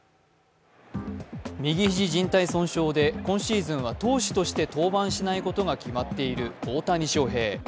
右肘じん帯損傷で今シーズンは投手として登板しないことが決まっている大谷翔平。